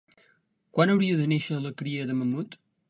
Quan hauria de néixer la cria de mamut?